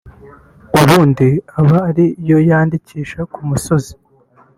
ubundi aba ari yo yandikisha ku musozi